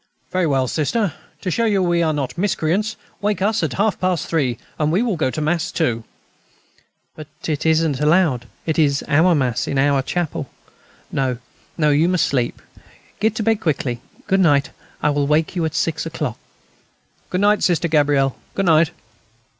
Very well, Sister, to show you we are not miscreants, wake us at half past three, and we will go to Mass too." "But it isn't allowed. It is our Mass, in our chapel. No, no, you must sleep.... Get to bed quickly. Good night. I will wake you at six o'clock." "Good night, Sister Gabrielle; good night....